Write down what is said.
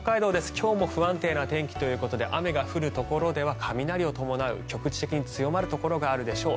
今日も不安定な天気ということで雨が降るところでは雷を伴う局地的に強まるところがあるでしょう。